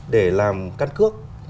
để làm căn cước